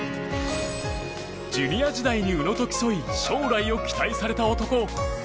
ジュニア時代に宇野と競い将来を期待された男。